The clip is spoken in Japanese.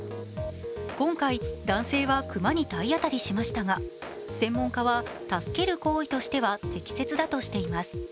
今回、男性は熊に体当たりしましたが専門家は助ける行為としては適切だとしています。